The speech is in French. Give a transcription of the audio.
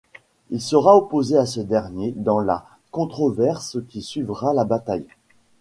Il sera opposé à ce dernier dans la controverse qui suivra la bataille.